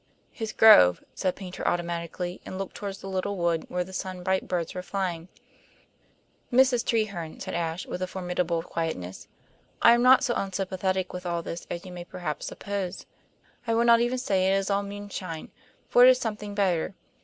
"His grove," said Paynter automatically, and looked toward the little wood, where the sunbright birds were flying. "Mrs. Treherne," said Ashe, with a formidable quietness, "I am not so unsympathetic with all this as you may perhaps suppose. I will not even say it is all moonshine, for it is something better.